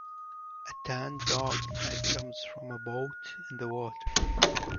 A tanned dog that jumps from a boat in the water.